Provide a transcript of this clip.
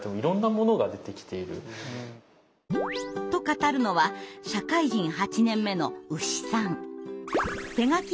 と語るのは社会人８年目のうしさん。